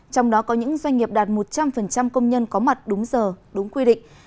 trong đó có những doanh nghiệp đạt một trăm linh công nhân có mặt đúng giờ đúng quy định